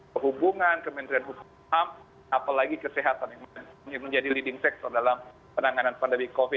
perhubungan kementerian hukum ham apalagi kesehatan yang menjadi leading sector dalam penanganan pandemi covid sembilan belas